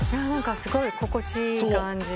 すごい心地いい感じで。